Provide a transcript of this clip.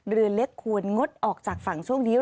เรือเล็กควรงดออกจากฝั่งช่วงนี้